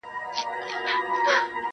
چي څوک ولویږي له واک او له قدرته -